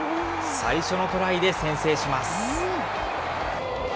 最初のトライで先制します。